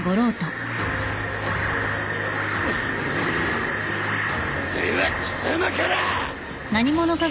では貴様から！